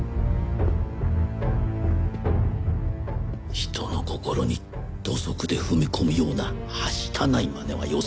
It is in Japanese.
人の心に土足で踏み込むようなはしたないまねはよすんだな。